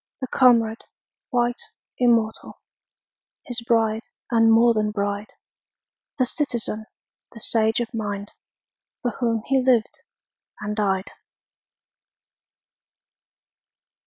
The comrade, white, immortal, His bride, and more than bride— The citizen, the sage of mind, For whom he lived and died.